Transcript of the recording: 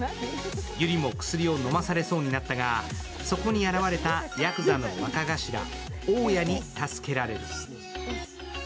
ユリも薬を飲まされそうになったがそこに現れたやくざの若頭・桜夜に助けられる。